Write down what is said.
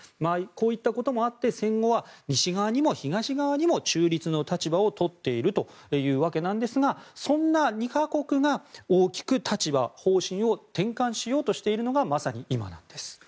こういったこともあって戦後は西側にも東側にも中立の立場をとっているという訳なんですがそんな２か国が大きく立場方針を転換しようとしているのがまさに今なんです。